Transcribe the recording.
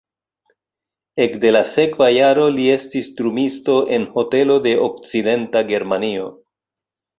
Ekde la sekva jaro li estis drumisto en hotelo de Okcidenta Germanio.